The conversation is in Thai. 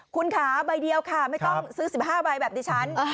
คุณค่ะใบเดียวค่ะไม่ต้องซื้อ๑๕ใบแบบดิฉัน